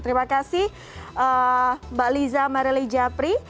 terima kasih mbak liza marili japri